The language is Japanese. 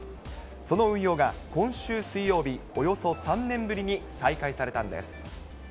その運用が今週水曜日、およそ３年ぶりに再開されたんです。